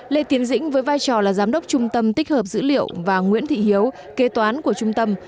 lê tiến dĩnh với vai trò là giám đốc trung tâm tích hợp dữ liệu và nguyễn thị hiếu kế toán của trung tâm